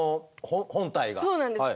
そうなんです。